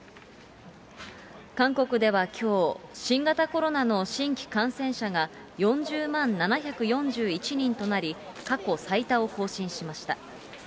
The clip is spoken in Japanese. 韓国ではきょう、新型コロナの新規感染者が４０万７４１人となり、過去最多を更新しました。